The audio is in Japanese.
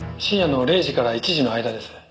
深夜の０時から１時の間です。